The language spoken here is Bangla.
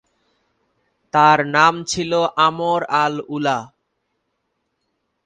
তার নাম ছিল আমর আল উলা।